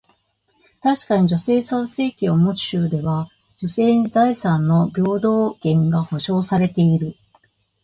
確かに、女性参政権を持つ州では、女性に財産の平等権が保証されている。